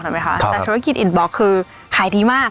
เห็นไหมคะครับแต่ธุรกิจอีทบล็อกคือขายดีมาก